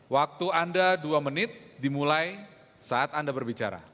waktu anda dua menit dimulai saat anda berbicara